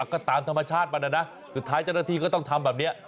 ก็ตามธรรมชาติมันนะสุดท้ายเจ้าหน้าที่ก็ต้องทำแบบนี้